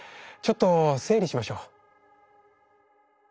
ちょっと整理しましょう。